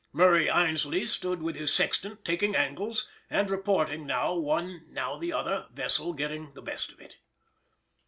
Murray Aynsley stood with his sextant, taking angles, and reporting now one now the other vessel getting the best of it.